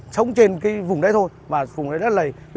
sống trên cái vùng đấy thôi và vùng đấy rất là lầy